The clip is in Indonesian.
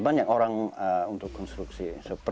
banyak orang untuk konstruksi